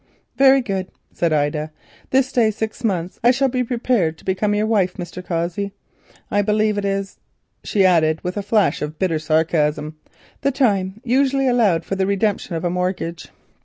"Very good," said Ida; "this day six months I shall be prepared to become your wife, Mr. Cossey. I believe," she added with a flash of bitter sarcasm, "it is the time usually allowed for the redemption of a mortgage."